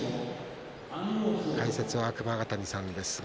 解説は熊ヶ谷さんです。